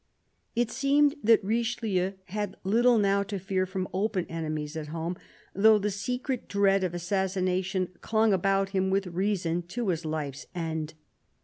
It seemed that Richelieu had little now to fear from open enemies at home, though the secret dread of assassina tion clung about him with reason to his life's end.